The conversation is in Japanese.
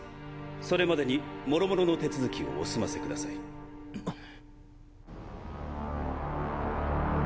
それまでに諸々の手続きをお済ませください。っ。